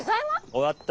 終わった。